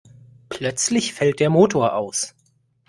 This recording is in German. Plötzlich fällt der Motor aus.